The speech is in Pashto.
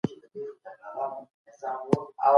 انتقادي فکر څنګه د زده کوونکو زده کړه اغېزمنوي؟